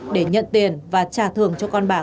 để nhận tiền và trả thưởng cho con bạc